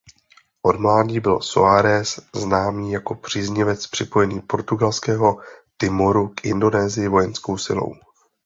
Od mládí byl Soares známý jako příznivec připojení Portugalského Timoru k Indonésii vojenskou silou.